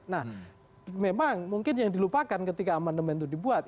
nah memang mungkin yang dilupakan ketika amandemen itu dibuat